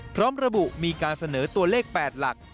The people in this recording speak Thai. พร้อมระบุมีการเสนอตัวเลข๘หลัก